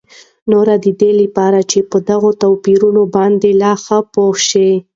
نو ددي لپاره چې په دغه توپيرونو باندي لا ښه پوه شو